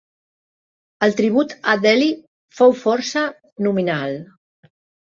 El tribut a Delhi fou força nominal.